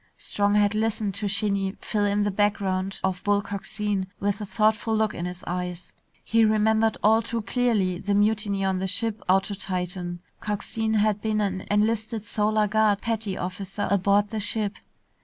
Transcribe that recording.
Strong had listened to Shinny fill in the background of Bull Coxine with a thoughtful look in his eyes. He remembered all too clearly the mutiny on the ship out to Titan. Coxine had been an enlisted Solar Guard petty officer aboard the ship.